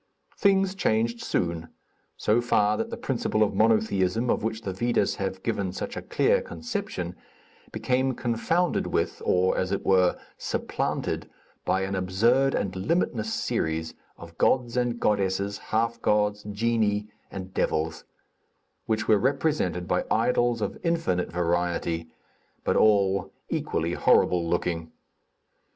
Things changed soon, so far that the principle of monotheism, of which the Vedas have given such a clear conception, became confounded with, or, as it were, supplanted by an absurd and limitless series of gods and goddesses, half gods, genii and devils, which were represented by idols, of infinite variety but all equally horrible looking.